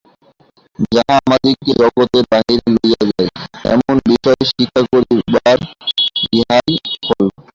যাহা আমাদিগকে জগতের বাহিরে লইয়া যায়, এমন বিষয় শিক্ষা করিবার ইহাই ফল।